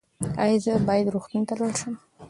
ایا زه باید روغتون ته لاړ شم؟